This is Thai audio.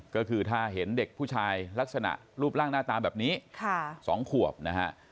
ก็คือถ้าเห็นเด็กผู้ชายลักษณะรูปร่างหน้าตาแบบนี้๒ขวบนะฮะ